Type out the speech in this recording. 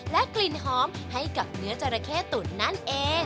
และกลิ่นหอมให้กับเนื้อจราเข้ตุ๋นนั่นเอง